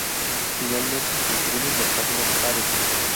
Finalmente se imprimen las páginas pares.